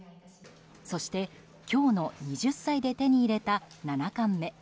そして、今日の２０歳で手に入れた七冠目。